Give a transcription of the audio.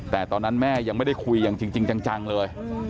แต่ตอนนั้นแม่ยังไม่ได้คุยอย่างจริงจังเลย